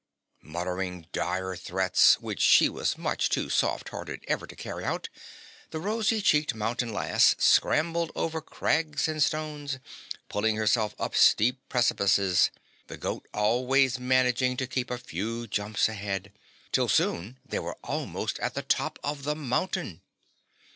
Muttering dire threats which she was much too soft hearted ever to carry out, the rosy cheeked mountain lass scrambled over crags and stones, pulling herself up steep precipices, the goat always managing to keep a few jumps ahead, till soon they were almost at the top of the mountain!